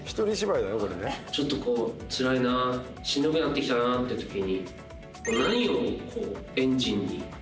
ちょっとつらいなしんどくなってきたなってときに。